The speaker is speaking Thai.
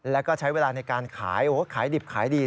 แล้วก็ใช้เวลาในการขายขายดิบขายดี